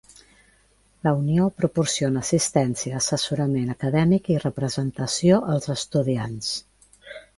La Unió proporciona assistència, assessorament acadèmic i representació als estudiants.